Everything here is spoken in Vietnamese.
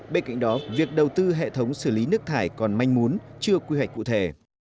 bên cạnh đó việc đầu tư hệ thống xử lý nước thải còn manh muốn chưa quy hoạch cụ thể